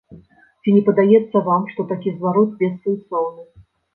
Ці не падаецца вам, што такі зварот бессэнсоўны?